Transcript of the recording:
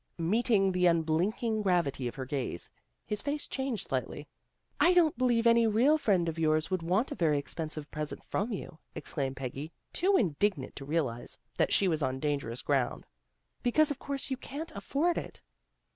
Meeting the unblinking gravity of her gaze, his face changed slightly. " I don't believe any real friend of yours would want a very expensive present from you," exclaimed Peggy, too indignant to realize that she was on dangerous ground. " Because, of course, you can't afford it."